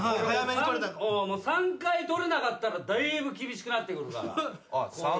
３回取れなかったらだいぶ厳しくなってくるから。